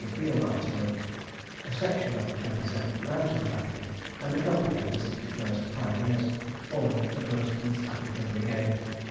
Field Artillery, a section of the 27th Mountain Battery, and a company of the 61st Pioneers, forming the First East African Brigade.